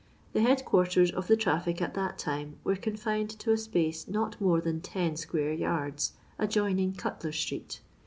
The head quarters of the traffic at that time were confined to a space not more than ten square yards, adjoining Cntler ttreet.